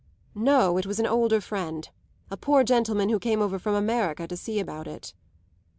"No, it was an older friend; a poor gentleman who came over from America to see about it."